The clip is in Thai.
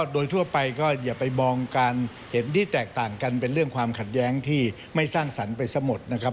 โดยทั่วไปก็อย่าไปมองการเห็นที่แตกต่างกันเป็นเรื่องความขัดแย้งที่ไม่สร้างสรรค์ไปซะหมดนะครับ